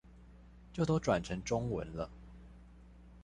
就都轉成中文了